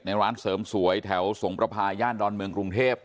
ร้านเสริมสวยแถวสงประพาย่านดอนเมืองกรุงเทพ